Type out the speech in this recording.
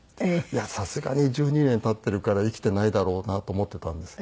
いやさすがに１２年経ってるから生きていないだろうなと思っていたんです。